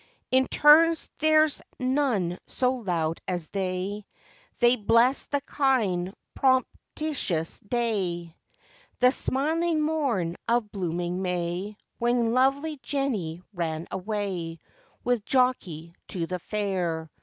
In turns there's none so loud as they, They bless the kind propitious day, The smiling morn of blooming May, When lovely Jenny ran away With Jockey to the fair.